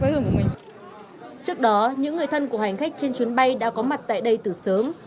trước đó những người thân của hành khách trên chuyến bay đã có mặt tại đây từ sớm